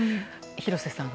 廣瀬さん。